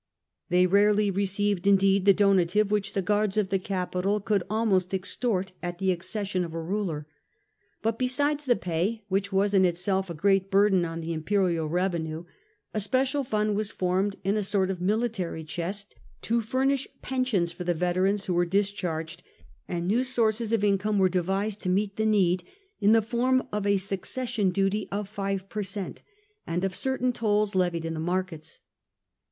They rarely received, , indeed, the donative which the guards of the ITiepayand .,,,,,... pensions of Capital could almost extort at the accession of the soldiers ^ ruler; but besides the pay, which was in itself a great burden on the imperial revenue, a special fund was formed in a sort of military chest to furnish pensions for the veterans Avho were discharged, and new sources of income were devised to meet the need in the form of a succession duty of five per cent, and of certain tolls levied in the markets.